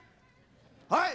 はい！